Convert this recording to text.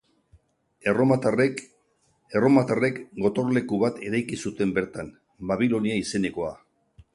Erromatarrek gotorleku bat eraiki zuten bertan, Babilonia izenekoa.